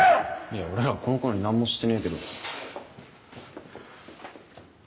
いや俺らこの子に何もしてねえけど。